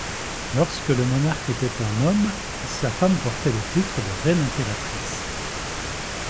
Lorsque le monarque était un homme, sa femme portait le titre de reine-impératrice.